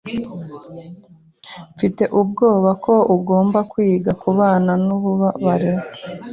Mfite ubwoba ko ugomba kwiga kubana nububabare